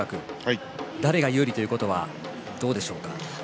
誰が有利ということはどうですか。